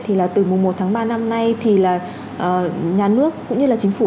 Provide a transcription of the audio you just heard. thì là từ mùa một tháng ba năm nay thì là nhà nước cũng như là chính phủ